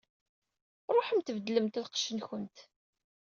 Ṛuḥemt beddlemt lqecc-nkent.